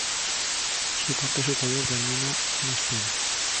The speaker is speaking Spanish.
Su parte superior termina en una espina.